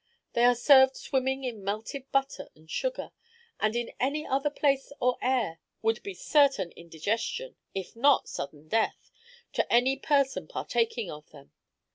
They are served swimming in melted butter and sugar, and in any other place or air would be certain indigestion, if not sudden death, to any person partaking of them.